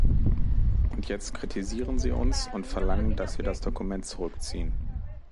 Und jetzt kritisieren Sie uns und verlangen, dass wir das Dokument zurückziehen.